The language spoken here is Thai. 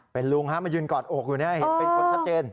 เป็นลุงฮะมันยืนกอดอกอยู่นี่เป็นคนชัดเจน